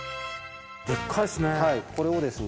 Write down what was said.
でっかいですね。